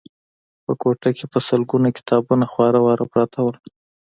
په کوټه کې په سلګونه کتابونه خواره واره پراته وو